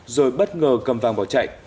rồi bất ngờ cầm vàng vào chạy